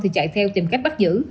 thì chạy theo tìm cách bắt giữ